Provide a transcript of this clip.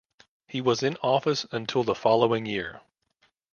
He was in office until the following year.